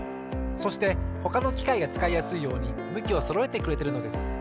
そしてほかのきかいがつかいやすいようにむきをそろえてくれてるのです。